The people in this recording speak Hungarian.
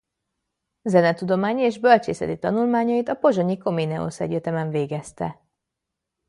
Zenetudományi és bölcsészeti tanulmányait a pozsonyi Comenius Egyetemen végezte.